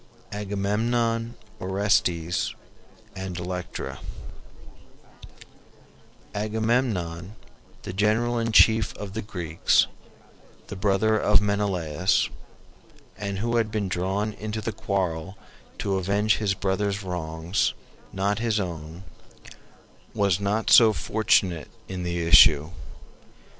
AGAMEMNON, ORESTES, AND ELECTRA Agamemnon, the general in chief of the Greeks, the brother of Menelaus, and who had been drawn into the quarrel to avenge his brother's wrongs, not his own, was not so fortunate in the issue.